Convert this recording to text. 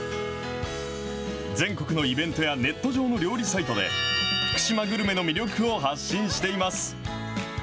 全国のイベントやネット上の料理サイトで、福島グルメの魅力を発信しています。